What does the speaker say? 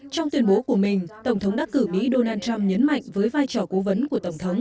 trong tuyên bố của mình tổng thống đắc cử mỹ donald trump nhấn mạnh với vai trò cố vấn của tổng thống